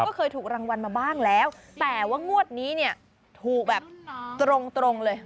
ก็เคยถูกรางวัลมาบ้างแล้วแต่ว่างวดนี้เนี่ยถูกแบบตรงตรงเลย